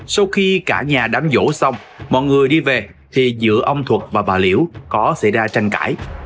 sau khi cả nhà đám vỗ xong mọi người đi về thì giữa ông thuật và bà liễu có xảy ra tranh cãi